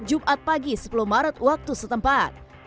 jumat pagi sepuluh maret waktu setempat